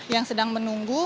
yang sedang menunggu